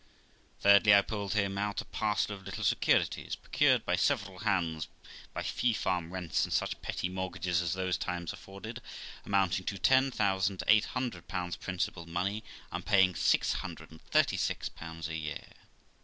Thirdly, I pulled him out a parcel of little securities, procured by several hands, by fee farm rents, and such petty mortgages as those times afforded, amounting to 10,800 principal money, and paying six hundred and thirty six pounds a year.